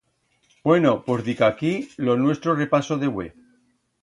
Bueno, pus dica aquí lo nuestro repaso de hue.